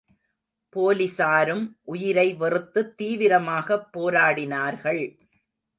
போலிஸாரும் உயிரை வெறுத்துத் தீவிரமாக போராடினார்கள்.